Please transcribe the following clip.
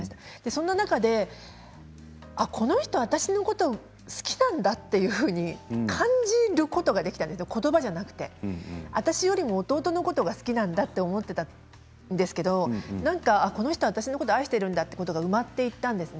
その中でこの人は私のことを好きなんだというふうに感じることができた言葉じゃなくて私よりも弟とのことが好きなんだと思っていたんですけどこの人は私のことを愛しているんだと思ったんです。